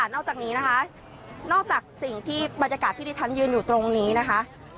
นอกจากนี้นะคะนอกจากสิ่งที่บรรยากาศที่ที่ฉันยืนอยู่ตรงนี้นะคะ